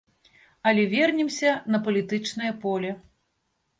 Але вернемся на палітычнае поле.